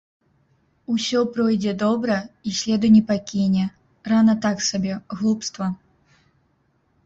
Усё пройдзе добра і следу не пакіне, рана так сабе, глупства.